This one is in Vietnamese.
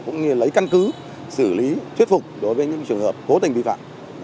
cũng như lấy căn cứ xử lý thuyết phục đối với những trường hợp cố tình vi phạm